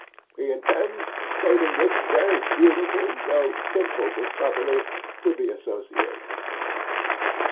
He intends stating this very beautiful, though simple discovery, to the association.